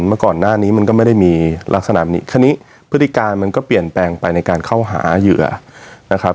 เมื่อก่อนหน้านี้มันก็ไม่ได้มีลักษณะแบบนี้คราวนี้พฤติการมันก็เปลี่ยนแปลงไปในการเข้าหาเหยื่อนะครับ